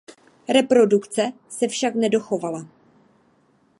Reprodukce se však nedochovala.